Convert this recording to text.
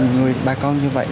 người bà con như vậy